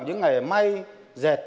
những ngày may dệt